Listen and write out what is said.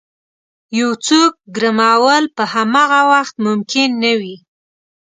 یو څوک ګرمول په همغه وخت ممکن نه وي.